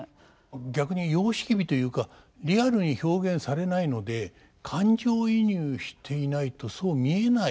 逆に様式美というかリアルに表現されないので感情移入していないとそう見えない。